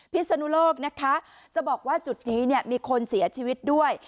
พิศนุโลกนะคะจะบอกว่าจุดนี้มีคนเสียชีวิตด้วย